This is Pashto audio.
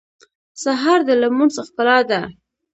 سهار د لمونځ ښکلا ده.